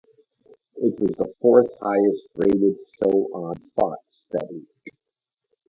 It was the fourth highest rated show on Fox that week.